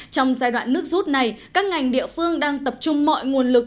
trong giai đoạn nước rút này các ngành địa phương đang tập trung mọi nguồn lực